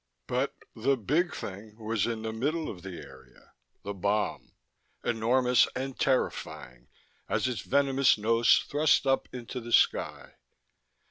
But the big thing was in the middle of the area: The bomb, enormous and terrifying as its venomous nose thrust up into the sky.